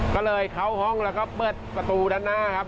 ก็เลยเข้าห้องแล้วก็เปิดประตูด้านหน้าครับ